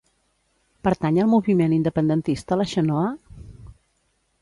Pertany al moviment independentista la Xenoa?